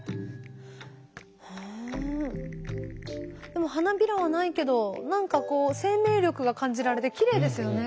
でも花びらはないけど何かこう生命力が感じられてきれいですよね。